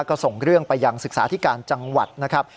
ก็ส่งเรื่องไปยังศึกษาที่การจังหวัดนะครับ